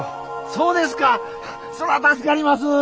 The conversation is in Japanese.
そら助かります。